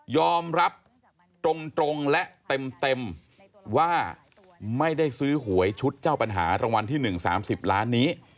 ยอมรับตรงและเต็มว่าไม่ได้ซื้อหวยชุดเจ้าปัญหารางวัลที่๑๓๐ล้านนี้